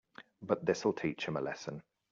But this'll teach them a lesson.